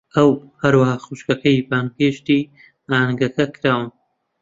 ئەو، هەروەها خوشکەکەی، بانگهێشتی ئاهەنگەکە کراون.